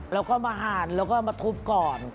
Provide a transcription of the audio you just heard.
เราก็มาหั่นเราก็มาทุบก่อน